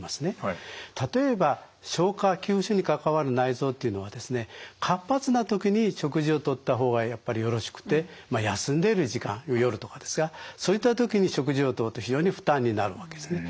例えば消化吸収に関わる内臓というのは活発な時に食事をとった方がやっぱりよろしくてまあ休んでいる時間夜とかですがそういった時に食事をとると非常に負担になるわけですね。